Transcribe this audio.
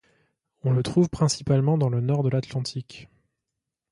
On le trouve principalement dans le nord de l'Atlantique.